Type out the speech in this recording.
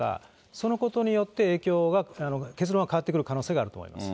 そのことによって、影響が、結論が変わってくる可能性はあると思います。